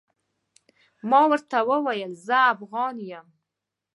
ما ورته وويل زه افغان يم.